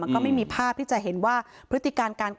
มันก็ไม่มีภาพที่จะเห็นว่า